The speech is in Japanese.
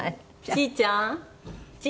ちーちゃん？